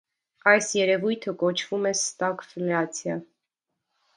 Այս երևույթը կոչվում ստագֆլյացիա։